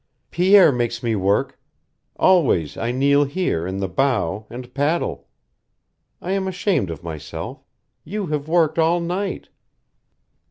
"Pierre makes me work. Always I kneel here, in the bow, and paddle. I am ashamed of myself. You have worked all night."